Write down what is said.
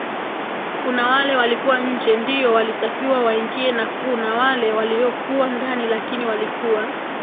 kuna wale walikuwa nje ndiyo walitakiwa waingie na kuna wale waliokuwa ndani lakini walikuwa